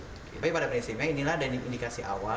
tapi pada prinsipnya inilah dan indikasi awal